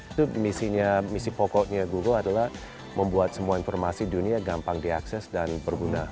itu misi pokoknya google adalah membuat semua informasi dunia gampang diakses dan berguna